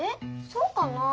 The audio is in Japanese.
そうかな。